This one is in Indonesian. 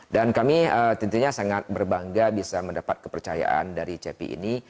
dan kami tentunya sangat berbangga bisa mendapat kepercayaan dari cepi ini